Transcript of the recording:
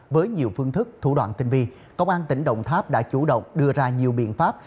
với nhiều phương thức thủ đoạn tinh vi công an tỉnh đồng tháp đã chủ động đưa ra nhiều biện pháp